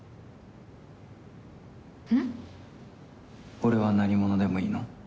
俺は何者でもいいの？